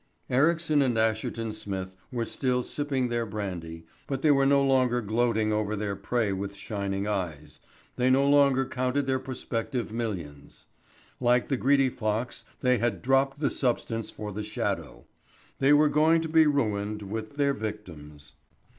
Ericsson and Asherton Smith were still sipping their brandy, but they were no longer gloating over their prey with shining eyes they no longer counted their prospective millions. Like the greedy fox they had dropped the substance for the shadow. They were going to be ruined with their victims.